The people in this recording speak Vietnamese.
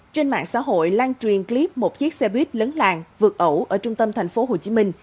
trên mạng xã hội lan truyền clip một chiếc xe buýt lấn làng vượt ẩu ở trung tâm tp hcm